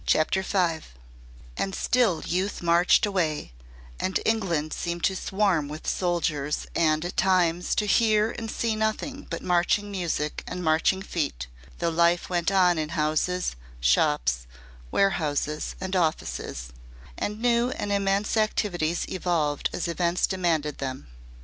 CHAPTER V And still youth marched away, and England seemed to swarm with soldiers and, at times, to hear and see nothing but marching music and marching feet, though life went on in houses, shops, warehouses and offices, and new and immense activities evolved as events demanded them.